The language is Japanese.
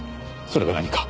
それが何か？